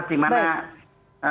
supas dimana apa ya